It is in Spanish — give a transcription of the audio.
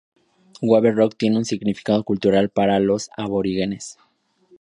Wave Rock tiene un significado cultural para los aborígenes.